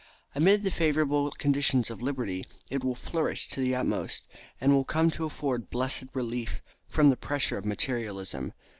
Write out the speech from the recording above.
Amid the favorable conditions of liberty it will flourish to the utmost, and will come to afford blessed relief from the pressure of materialism.